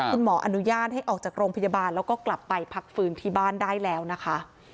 คุณหมออนุญาตให้ออกจากโรงพยาบาลแล้วก็กลับไปพักฟื้นที่บ้านได้แล้วนะคะ